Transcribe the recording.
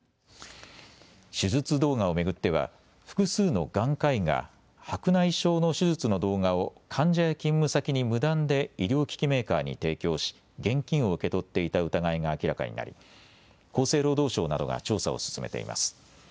手術動画を巡っては複数の眼科医が白内障の手術の動画を患者や勤務先に無断で医療機器メーカーに提供し現金を受け取っていた疑いが明らかになり厚生労働省などが調査を進めています。